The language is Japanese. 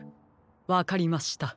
わかりました。